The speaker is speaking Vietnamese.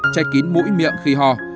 tray kín mũi miệng khi ho